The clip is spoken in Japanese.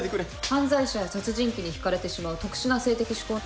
犯罪者や殺人鬼に引かれてしまう特殊な性的趣向。